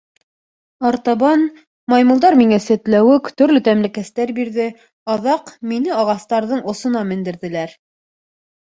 — Артабан... маймылдар миңә сәтләүек, төрлө тәмлекәстәр бирҙе, аҙаҡ... мине ағастарҙың осона мендерҙеләр.